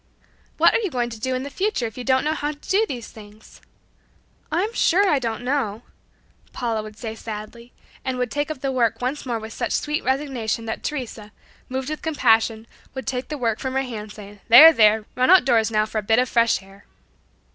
"What are you going to do in the future if you don't know how to do these things?" "I'm sure I don't know," Paula would say sadly, and would take up the work once more with such sweet resignation that Teresa, moved with compassion, would take the work from her hands saying "There! There! Run outdoors now for a bit of fresh air."